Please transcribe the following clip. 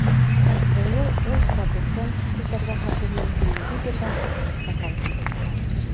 Быйыл ул продукцияһын сит илдәргә һатыу мөмкинлеге биргән сертификат алған.